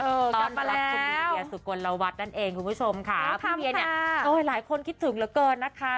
เออกลับมาแล้วสุกวัลละวัดนั่นเองคุณผู้ชมค่ะพี่เวียนเนี่ยโอ้หลายคนคิดถึงเหลือเกินนะคะ